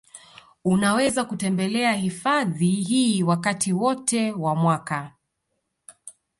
Unaweza kutembelea hifadhi hii wakati wote wa mwaka